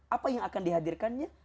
apa yang akan dihadirkannya